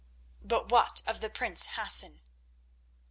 But what of the prince Hassan?"